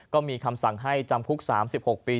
ก็มีคำสั่งให้จำคุก๓๖ปี